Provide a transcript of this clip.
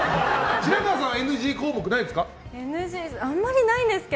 白河さんＮＧ項目はないですか？